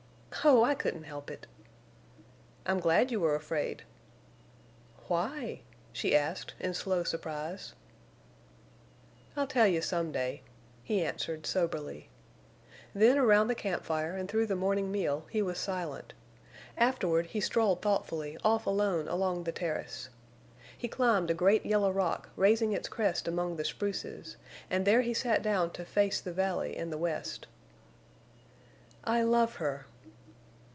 "Oh, I couldn't help it!" "I'm glad you were afraid." "Why?" she asked, in slow surprise. "I'll tell you some day," he answered, soberly. Then around the camp fire and through the morning meal he was silent; afterward he strolled thoughtfully off alone along the terrace. He climbed a great yellow rock raising its crest among the spruces, and there he sat down to face the valley and the west. "I love her!"